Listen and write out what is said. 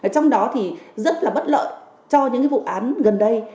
trong đó thì rất là bất lợi cho những vụ án gần đây